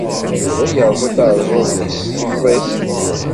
Yuba yerẓa taɛezzult-is s-tefḍist.